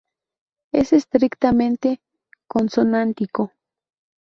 Es estrictamente consonántico.